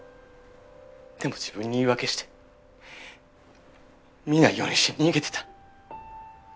でも自分に言い訳して見ないようにして逃げてた。